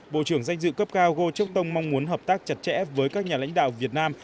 bộ trưởng danh dự cấp cao goh chok tong mong muốn hợp tác chặt chẽ với các nhà lãnh đạo việt nam